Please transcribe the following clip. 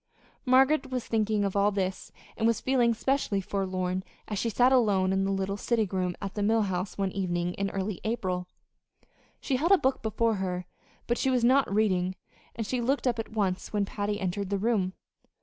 Margaret was thinking of all this, and was feeling specially forlorn as she sat alone in the little sitting room at the Mill House one evening in early April. She held a book before her, but she was not reading; and she looked up at once when Patty entered the room.